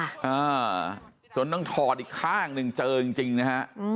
อือจนต้องถอดอีกข้างหนึ่งเจอจริงนะครับ